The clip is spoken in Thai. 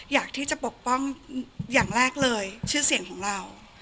อยากที่จะปกป้องอย่างแรกเลยชื่อเสียงของเรา